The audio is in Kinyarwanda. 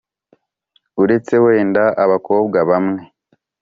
Uretse wenda abakobwa bamwe